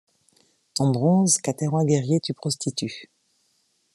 Ton bronze qu’à tes rois guerriers tu prostitues